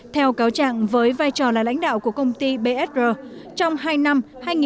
theo cáo trạng với vai trò là lãnh đạo của công ty bsr trong hai năm hai nghìn một mươi ba hai nghìn một mươi bốn